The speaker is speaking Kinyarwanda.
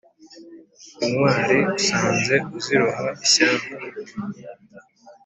intwari usanze uziroha ishyanga